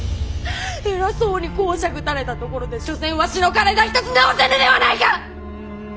偉そうに講釈たれたところで所詮わしの体一つ治せぬではないか！